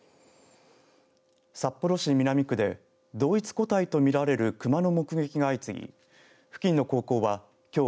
札幌市南区で同一個体と見られる熊の目撃が相次ぎ付近の高校は、きょう